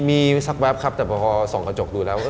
มีสักแป๊บครับแต่พอส่องกระจกดูแล้วก็